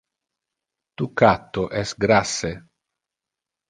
Tu catto es grasse.